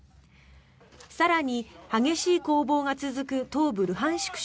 更に、激しい攻防が続く東部ルハンシク